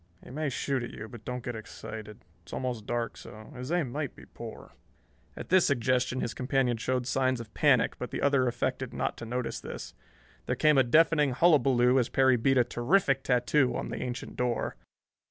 He may shoot at you, but don't get excited. It's almost dark, so his aim might be poor." At this suggestion his companion showed signs of panic, but the other affected not to notice this. There came a deafening hullaballoo as Perry beat a terrific tattoo on the ancient door.